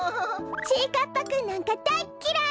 ちぃかっぱくんなんかだいっきらい！